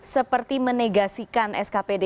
seperti menegasikan skpd